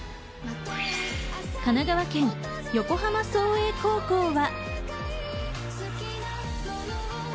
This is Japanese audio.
神奈川県横浜創英高校は。